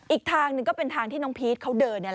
อีกทางหนึ่งก็เป็นทางที่น้องพีชเขาเดิน